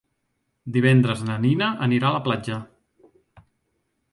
Divendres na Nina anirà a la platja.